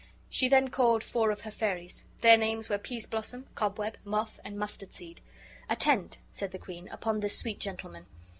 She then called four of her fairies. Their names were Peas blossom, Cobweb, Moth, and Mustard seed. "Attend," said the queen, "upon this sweet gentleman.